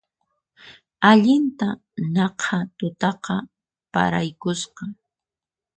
Allintan naqha tutaqa paraykusqa